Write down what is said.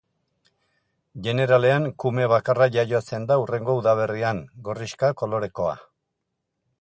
Jeneralean kume bakarra jaiotzen da hurrengo udaberrian, gorrixka kolorekoa.